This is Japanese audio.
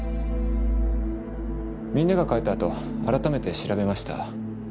みんなが帰ったあと改めて調べました。